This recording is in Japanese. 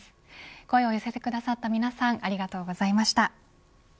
声を寄せてくださった皆さんありがとうございました。